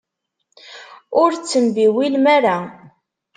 Ur ttembiwilem ara.